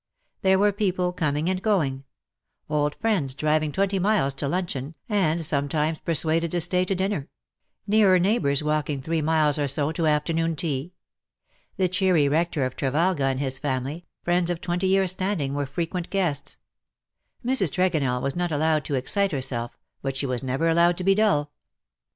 There were people coming and going ; old friends driving twenty miles to luncheon,, and some times persuaded to stay to dinner ; nearer neigh bours walking three miles or so to afternoon tea. The cheery rector of Trevalga and his family, friends of twenty years^ standing, were frequent guests. Mrs. Tregonell was not allowed to excite herself, but she was never allowed to be dull.